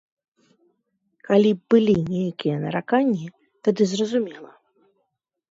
Калі б былі нейкія нараканні, тады зразумела.